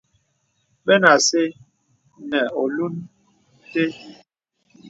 Bənə acə nə olùn té.